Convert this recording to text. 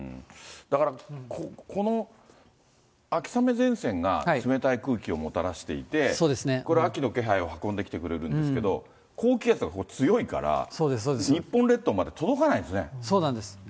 だから、この秋雨前線が冷たい空気をもたらしていて、これは秋の気配を運んできてくれるんですけど、高気圧が強いから、そうなんです。